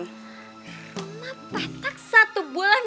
rumah petak satu bulan